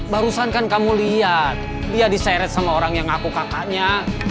barusan kan kamu lihat dia diseret sama orang yang ngaku kakaknya